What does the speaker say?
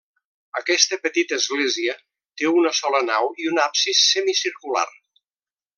Aquesta petita església té una sola nau i un absis semicircular.